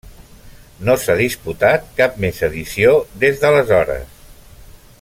No s'ha disputat cap més edició des d'aleshores.